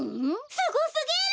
すごすぎる！